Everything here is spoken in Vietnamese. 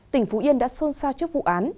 tỉnh phú yên đã xôn xao trước vụ án